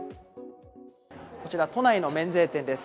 こちら都内の免税店です。